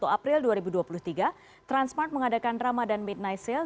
dua puluh april dua ribu dua puluh tiga transmart mengadakan ramadan midnight sale